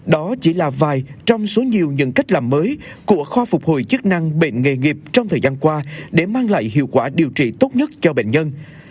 đó chỉ là vài trong số nhiều những cách làm mới của khoa phục hồi chức năng bệnh nghề nghiệp trong thời gian qua để mang lại hiệu quả điều trị tốt nhất cho bệnh nhân